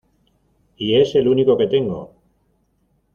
Y es el único que tengo.